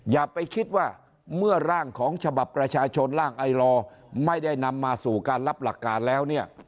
อย่าไปคิดว่าเมื่อร่างของฉบับประชาชนร่างไอลอไม่ได้นำมาสู่การรับหลักการแล้วเนี่ย